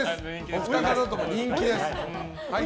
お二方とも人気です。